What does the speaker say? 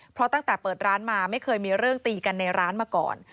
เพราะตั้งแต่เปิดร้านมาไม่เคยมีเรื่องตีกันในร้านมาก่อน